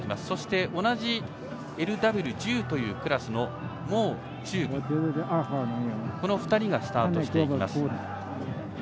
そして、同じＬＷ１０というクラスの毛忠武、この２人がスタートしていきます。